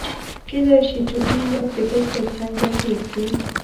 کېدای شي ټوټې يو د بل تر څنګه کېږدي.